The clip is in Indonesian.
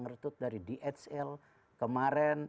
rekrut dari dhl kemaren